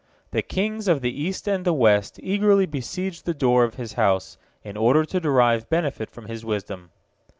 The kings of the east and the west eagerly besieged the door of his house in order to derive benefit from his wisdom.